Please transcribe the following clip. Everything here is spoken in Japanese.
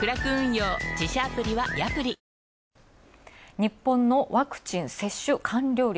日本のワクチン接種完了率。